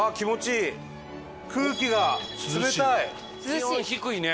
気温低いね。